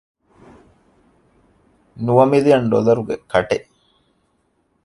ނުވަ މިލިއަން ޑޮލަރުގެ ކަޓެއް؟